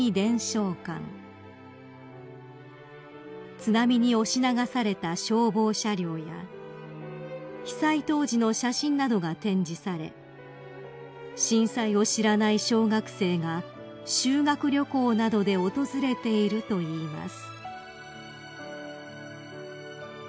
［津波に押し流された消防車両や被災当時の写真などが展示され震災を知らない小学生が修学旅行などで訪れているといいます］